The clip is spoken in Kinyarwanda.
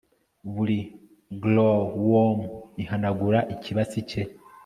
Buri glowworm ihanagura ikibatsi cye